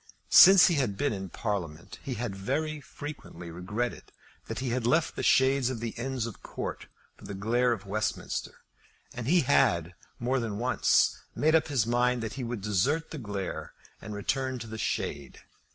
Since he had been in Parliament he had very frequently regretted that he had left the shades of the Inns of Court for the glare of Westminster; and he had more than once made up his mind that he would desert the glare and return to the shade.